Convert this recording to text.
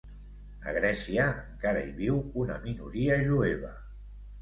A Grècia encara hi viu una minoria jueva.